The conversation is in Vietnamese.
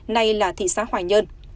nay là thị xã hoài nhơn